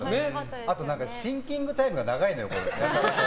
あと、シンキングタイムが長いのよ、これ。